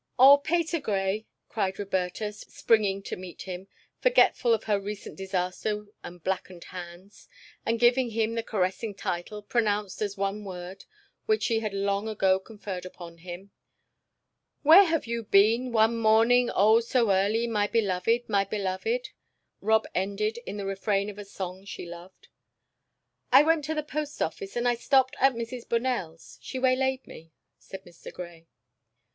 "Oh, Patergrey," cried Roberta, springing to meet him, forgetful of her recent disaster and blackened hands, and giving him the caressing title pronounced as one word which she had long ago conferred upon him. "Where have you been 'one morning, oh, so early, my beloved, my beloved?'" Rob ended in the refrain of a song she loved. "I went to the post office, and I stopped at Mrs. Bonell's she waylaid me," said Mr. Grey.